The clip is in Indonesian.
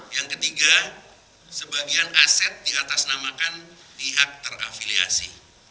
yang ketiga sebagian aset diatasnamakan pihak terafiliasi